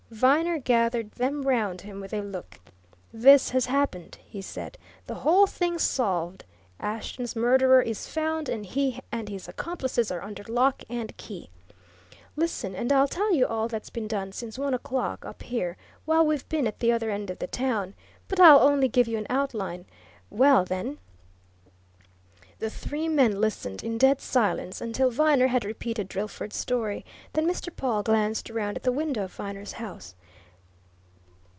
Viner gathered them round him with a look. "This has happened!" he said. "The whole thing's solved. Ashton's murderer is found, and he and his accomplices are under lock and key. Listen, and I'll tell you all that's been done since one o'clock, up here while we've been at the other end of the town. But I'll only give you an outline. Well, then " The three men listened in dead silence until Viner had repeated Drillford's story; then Mr. Pawle glanced round at the window of Viner's house.